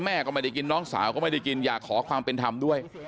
แม่ก็ไม่ได้กินน้องสาวก็ไม่ได้กินอยากขอความเป็นธรรมด้วย